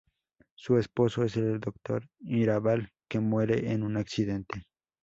Su esposo es el doctor Mirabal, que muere en un accidente.